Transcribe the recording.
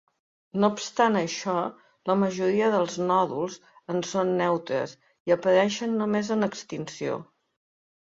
No obstant això, la majoria dels nòduls en són neutres i apareixen només en extinció.